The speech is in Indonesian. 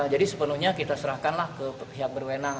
jadi sepenuhnya kita serahkan lah ke pihak berwenang